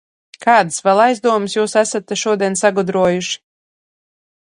Kādas vēl aizdomas jūs esat te šodien sagudrojuši?